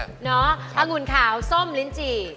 อังุณขาวส้มลินจี